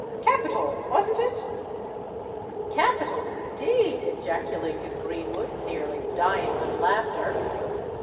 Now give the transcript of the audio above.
Capital—wasn't it?" "Capital, indeed!" ejaculated Greenwood, nearly dying with laughter.